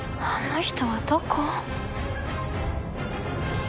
あの人はどこ？